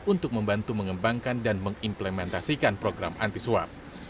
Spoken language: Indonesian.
untuk membantu mengembangkan dan mengimplementasikan program antiswap